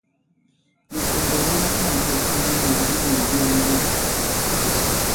Mìkɔ̀ŋgɔ̀ mi ka-pa᷇n ɓôt i minyǔ inyū ǹjia-njià.